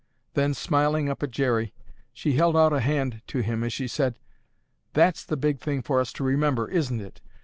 Then, smiling up at Jerry, she held out a hand to him as she said, "That's the big thing for us to remember, isn't it?